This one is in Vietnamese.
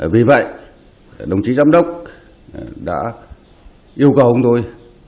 vì vậy đồng chí giám đốc đã yêu cầu ông tôi